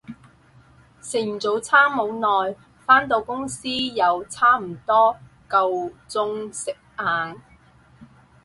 食完早餐冇耐，返到公司又差唔多夠鐘食晏